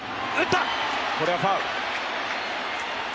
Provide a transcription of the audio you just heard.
これはファウル。